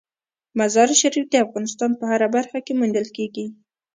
مزارشریف د افغانستان په هره برخه کې موندل کېږي.